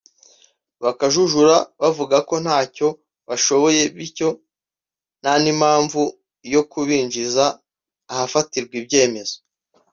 bakajujura bavuga ko ntacyo bashoboye bityo ntan’impamvu yo kubinjiza ahafatirwa ibyemezo